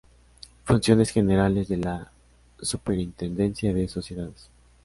Funciones Generales de la Superintendencia de Sociedades.